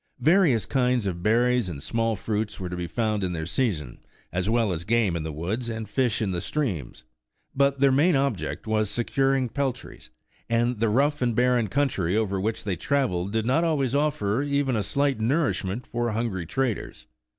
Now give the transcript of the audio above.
Various kinds of berries and small fruits were to be found in their season, as well as game in the woods and fish in the streams, but their main object was securing peltries, and the rough and barren country over which they traveled did not always offer even a slight nourishment for hungry traders.